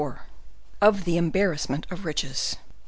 Of the Embarrassment of Riches.